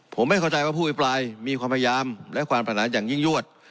ผมไม่เข้าใจว่าผู้อภิปรายมีความพยายามและความปัญหาอย่างยิ่งยวด